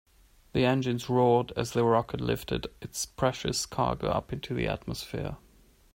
The engines roared as the rocket lifted its precious cargo up into the atmosphere.